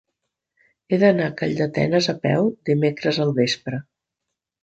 He d'anar a Calldetenes a peu dimecres al vespre.